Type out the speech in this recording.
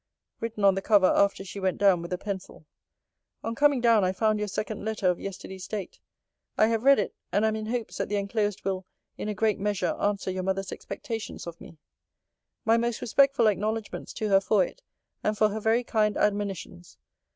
Written on the cover, after she went down, with a pencil: On coming down, I found your second letter of yesterday's date.* I have read it; and am in hopes that the enclosed will in a great measure answer your mother's expectations of me. * See the next letter. My most respectful acknowledgements to her for it, and for her very kind admonitions.